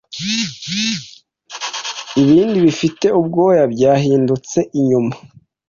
Ibindi bifite ubwoya byahindutse inyuma